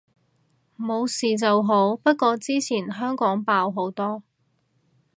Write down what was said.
冇事就好，不過之前香港爆好多